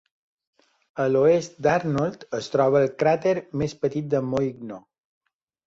A l'oest d'Arnold es troba el cràter més petit de Moigno.